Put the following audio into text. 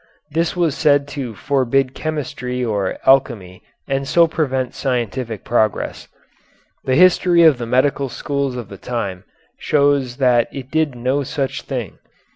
This was said to forbid chemistry or alchemy and so prevent scientific progress. The history of the medical schools of the time shows that it did no such thing.